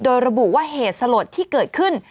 โดยระบุว่าเหตุสลดที่เกิดขึ้น